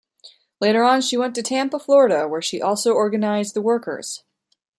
Later on, she went to Tampa, Florida, where she also organized the workers.